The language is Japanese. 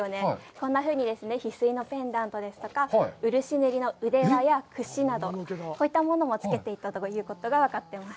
こんなふうに、ひすいのペンダントですとか、漆塗りの腕輪やくしなど、こういったものも着けていたということが分かっています。